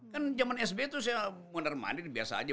kan jaman sb tuh saya menermani biasa aja